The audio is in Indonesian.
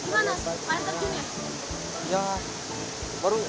gimana air terjunnya